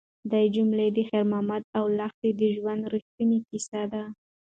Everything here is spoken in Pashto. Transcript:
دا جملې د خیر محمد او لښتې د ژوند رښتونې کیسې دي.